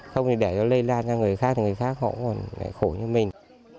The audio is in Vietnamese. không thì để nó lây lan cho người khác người khác họ còn khổ như mình